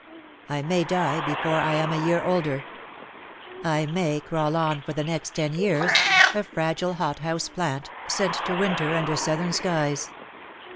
I may die before I am a year older; I may crawl on for the next ten years — a fragile hot house plant, sent to winter under southern skies.